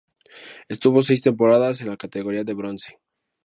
Estuvo seis temporadas en la categoría de bronce.